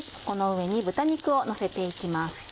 ここの上に豚肉をのせて行きます。